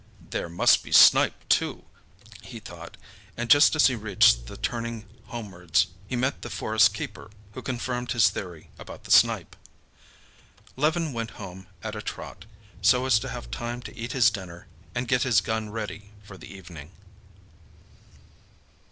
"There must be snipe too," he thought, and just as he reached the turning homewards he met the forest keeper, who confirmed his theory about the snipe. Levin went home at a trot, so as to have time to eat his dinner and get his gun ready for the evening.